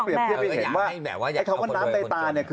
เพราะอยากให้ผู้โดยคนจัง